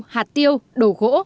hạt tiêu đồ gỗ